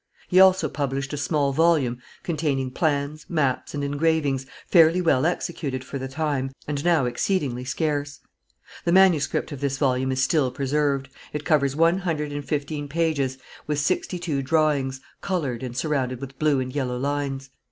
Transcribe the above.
He also published a small volume containing plans, maps and engravings, fairly well executed for the time, and now exceedingly scarce. The manuscript of this volume is still preserved; it covers one hundred and fifteen pages with sixty two drawings, coloured and surrounded with blue and yellow lines.